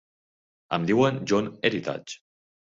Em diuen John Heritage.